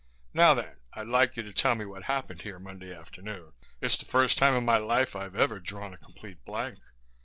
Now then, I'd like you to tell me what happened here Monday afternoon. It's the first time in my life I've ever drawn a complete blank."